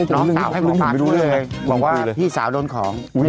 อ๋อไม่ใช่ให้หมอปลาช่วยเลยหวังว่าพี่สาวโดนของอุ้ย